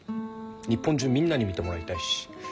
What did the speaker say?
日本中みんなに見てもらいたいし。